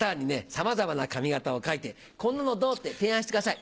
さまざまな髪形を描いて「こんなのどう？」って提案してください。